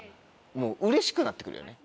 もううれしくなって来るよね。